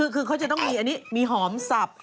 คือเขาจะต้องมีอันนี้มีหอมสับ